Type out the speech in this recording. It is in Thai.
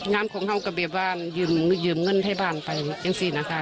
งานของเขาก็แบบว่ายืมเงินให้บ้านไปอย่างนี้นะคะ